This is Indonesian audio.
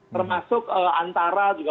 termasuk antara juga